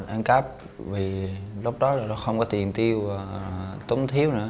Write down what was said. anh cáp vì lúc đó là không có tiền tiêu tốn thiếu nữa